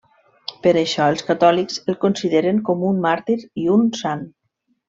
Per això, els catòlics el consideren com un màrtir i un sant.